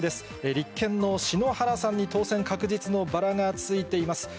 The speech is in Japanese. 立憲の篠原さんに当選確実のバラがついています。